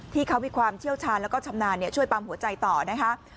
ที่เขามีความเชี่ยวชาญแล้วก็ชำนาญช่วยปั๊มหัวใจต่อนะคะ